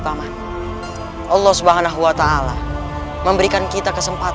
paman allah subhanahu wa ta'ala memberikan kita kesempatan